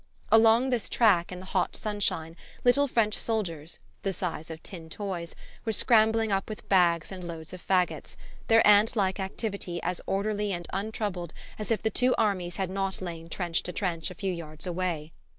Along this track in the hot sunshine little French soldiers, the size of tin toys, were scrambling up with bags and loads of faggots, their ant like activity as orderly and untroubled as if the two armies had not lain trench to trench a few yards away.